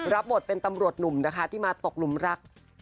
รับบทเป็นตำรวจหนุ่มนะคะที่มาตกหลุมรัก